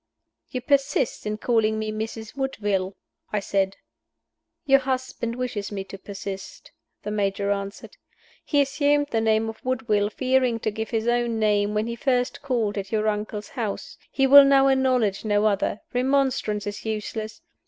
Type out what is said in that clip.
"You persist in calling me Mrs. Woodville," I said. "Your husband wishes me to persist," the Major answered. "He assumed the name of Woodville, fearing to give his own name, when he first called at your uncle's house. He will now acknowledge no other. Remonstrance is useless.